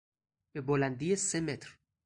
به بلندی سه متر